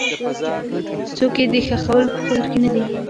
څوک یې د ښخولو په فکر کې نه دي.